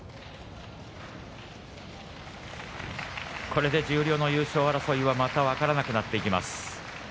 これで十両の優勝争いは分からなくなってきています。